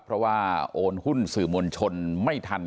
เพราะว่าโอนหุ้นสื่อมวลชนไม่ทัน